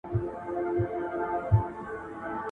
د همزولو په ټولۍ کي ګلدسته یم ,